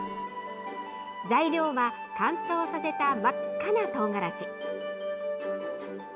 材料は乾燥させた真っ赤なトウガラシ。